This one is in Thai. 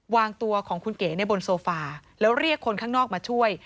วางตัวของคุณเก๋ในบนโซฟาแล้วเรียกคนข้างนอกมาช่วย